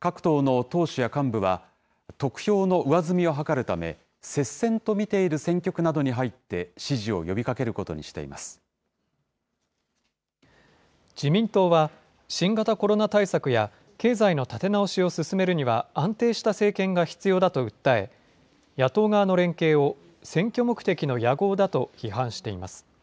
各党の党首や幹部は、得票の上積みを図るため、接戦と見ている選挙区などに入って、支持を呼びかけることにして自民党は、新型コロナ対策や経済の立て直しを進めるには安定した政権が必要だと訴え、野党側の連携を、選挙目的の野合だと批判しています。